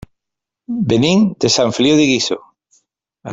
Venim de Sant Feliu de Guíxols.